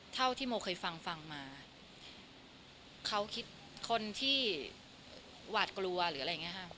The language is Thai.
เท่าที่โมเคยฟังฟังมาเขาคิดคนที่หวาดกลัวหรืออะไรอย่างนี้ค่ะ